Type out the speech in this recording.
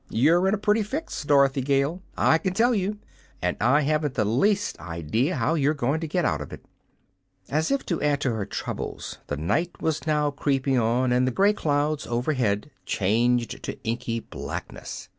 "You're in a pretty fix, Dorothy Gale, I can tell you! and I haven't the least idea how you're going to get out of it!" As if to add to her troubles the night was now creeping on, and the gray clouds overhead changed to inky blackness.